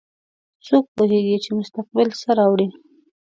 څوک پوهیږي چې مستقبل څه راوړي